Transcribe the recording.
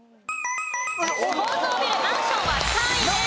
高層ビルマンションは３位です。